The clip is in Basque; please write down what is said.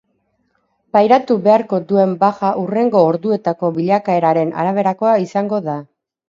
Pairatu beharko duen baja hurrengo orduetako bilakaeraren araberakoa izango da.